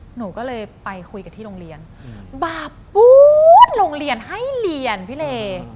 หนูก็เลยไปคุยกับที่โรงเรียนบาปปู๊ดโรงเรียนให้เรียนพี่เล